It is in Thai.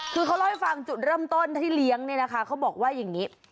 คือเขาเล่าให้ฟังจุดเริ่มต้นที่เลี้ยงเนี่ยนะคะเขาบอกว่าอย่างนี้